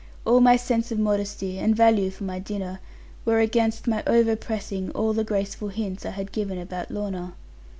All my sense of modesty, and value for my dinner, were against my over pressing all the graceful hints I had given about Lorna.